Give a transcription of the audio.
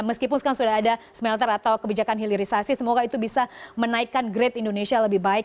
meskipun sekarang sudah ada smelter atau kebijakan hilirisasi semoga itu bisa menaikkan grade indonesia lebih baik